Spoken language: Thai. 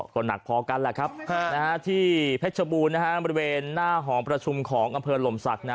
ก็หนักพอกันแหละครับที่เพชรบูรณ์บริเวณหน้าหอประชุมของอำเภอหลมศักดิ์